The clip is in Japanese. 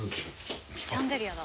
シャンデリアだ。